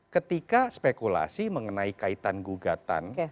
ketika spekulasi mengenai kaitan gugatan